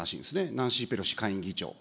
ナンシー・ペロシ下院議長。